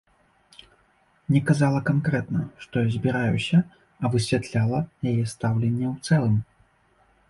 Не казала канкрэтна, што я збіраюся, а высвятляла яе стаўленне ў цэлым.